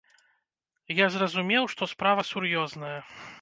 Я зразумеў, што справа сур'ёзная.